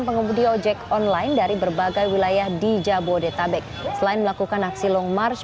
pengemudi ojek online dari berbagai wilayah di jabodetabek selain melakukan aksi long march